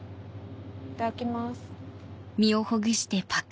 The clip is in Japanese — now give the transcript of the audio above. いただきます。